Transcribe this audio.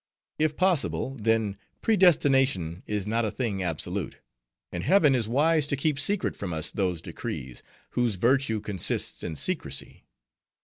If possible, then predestination is not a thing absolute; and Heaven is wise to keep secret from us those decrees, whose virtue consists in secrecy.